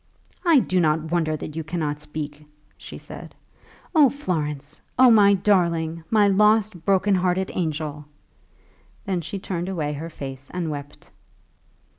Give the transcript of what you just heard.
"I do not wonder that you cannot speak," she said. "Oh, Florence, oh, my darling; my lost, broken hearted angel!" Then she turned away her face and wept.